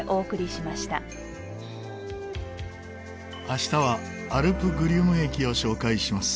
明日はアルプ・グリュム駅を紹介します。